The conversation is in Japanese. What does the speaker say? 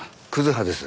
葉です。